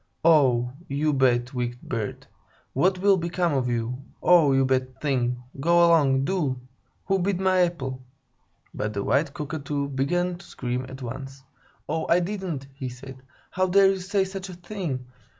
"Oh, you bad, wicked bird! What will become of you? Oh, you bad thing! Go along, do! Who bit my apple?" But the white Cockatoo began to scream at once. "'Oh, I didn't!" he said. "How dare you say such a thing?